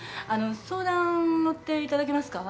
相談乗っていただけますか？